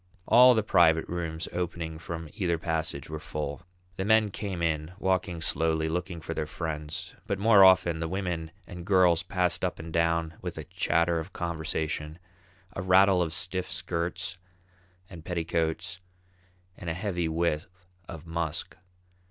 All the private rooms opening from either passage were full; the men came in, walking slowly, looking for their friends; but more often, the women and girls passed up and down with a chatter of conversation, a rattle of stiff skirts and petticoats, and a heavy whiff of musk.